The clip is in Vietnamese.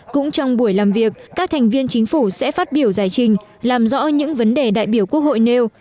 cũng trong buổi làm việc các thành viên chính phủ sẽ phát biểu giải trình làm rõ những vấn đề đại biểu quốc hội nêu